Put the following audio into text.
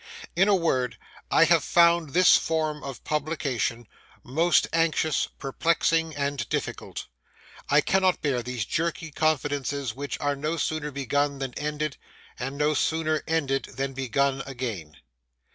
In a word, I have found this form of publication most anxious, perplexing, and difficult. I cannot bear these jerky confidences which are no sooner begun than ended, and no sooner ended than begun again.